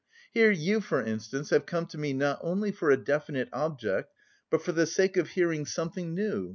Here, you, for instance, have come to me not only for a definite object, but for the sake of hearing something new.